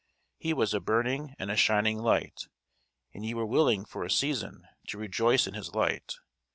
He was a burning and a shining light: and ye were willing for a season to rejoice in his light.